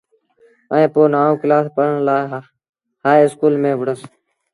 ائيٚݩ پو نآئوٚݩ ڪلآس پڙهڻ لآ هآئي اسڪول ميݩ وُهڙوس۔